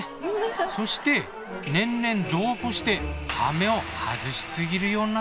そして年々度を越してハメを外し過ぎるようになったんだって。